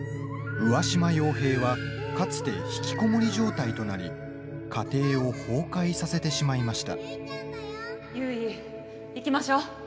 上嶋陽平は、かつてひきこもり状態となり家庭を崩壊させてしまいました。